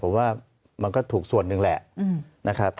ผมว่ามันก็ถูกส่วนหนึ่งแหละนะครับ